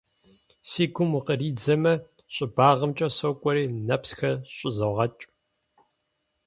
Си гум укъыридзэмэ, щӏыбагъымкӏэ сокӏуэри нэпсхэр щӏызогъэкӏ.